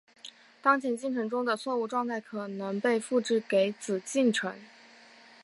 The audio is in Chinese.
当前进程中的错误状态可能被复制给子进程。